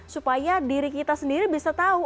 supaya diri kita sendiri bisa tahu